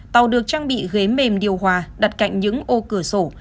tàu được trang bị ghế mềm điều hòa đặt cạnh những ô cửa sổ